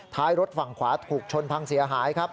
ท้ายรถฝั่งขวาถูกชนพังเสียหายครับ